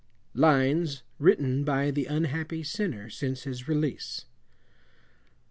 Lines written by the unhappy Sinner since his release.